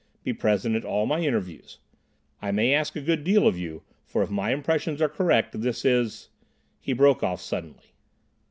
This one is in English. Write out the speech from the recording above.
Be present at all interviews. I may ask a good deal of you, for if my impressions are correct this is—" He broke off suddenly.